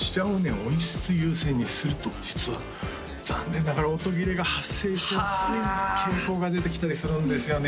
音質優先にすると実は残念ながら音切れが発生しやすい傾向が出てきたりするんですよね